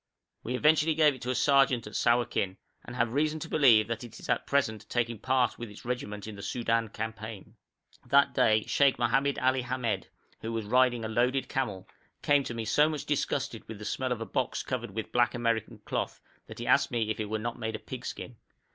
We eventually gave it to a sergeant at Sawakin, and have reason to believe that it is at present taking part with its regiment in the Soudan campaign. That day, Sheikh Mohamed Ali Hamed, who was riding a loaded camel, came to me so much disgusted with the smell of a box covered with black American cloth, that he asked me if it were not made of pig skin.